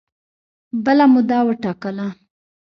بله موده وټاکله